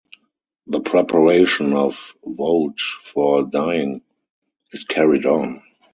The preparation of woad for dyeing is carried on.